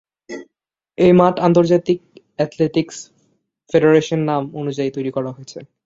এই মাঠ আন্তর্জাতিক অ্যাথলেটিকস ফেডারেশন মান অনুযায়ী তৈরী করা হয়েছে।